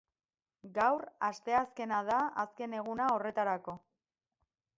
Gaur, asteazkena, da azken eguna horretarako.